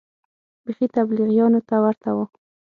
بيخي تبليغيانو ته ورته و.